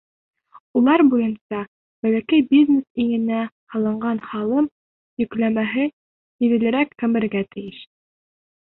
Улар буйынса бәләкәй бизнес иңенә һалынған һалым йөкләмәһе һиҙелерлек кәмергә тейеш.